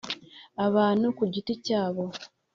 Abantu ku giti cyabo